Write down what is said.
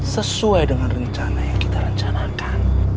sesuai dengan rencana yang kita rencanakan